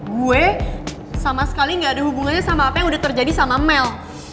gue sama sekali gak ada hubungannya sama apa yang udah terjadi sama mel